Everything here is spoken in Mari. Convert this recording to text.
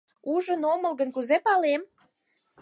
Ужын омыл гын, кузе палем?!